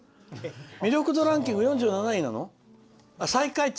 魅力度ランキング４７位なの？